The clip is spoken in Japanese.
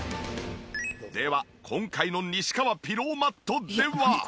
では今回の西川ピローマットでは。